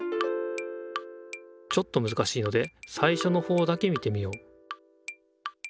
ちょっとむずかしいので最初のほうだけ見てみよう